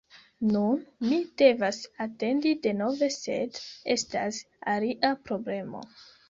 Nun mi devas atendi denove, sed estas alia problemo: